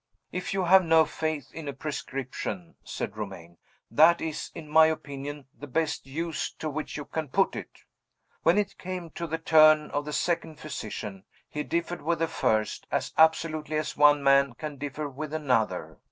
"If you have no faith in a prescription," said Romayne, "that is, in my opinion, the best use to which you can put it. When it came to the turn of the second physician, he differed with the first, as absolutely as one man can differ with another.